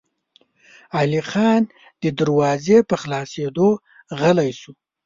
علی خان د دروازې په خلاصېدو غلی شو.